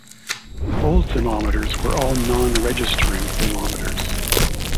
Old thermometers were all non-registering thermometers.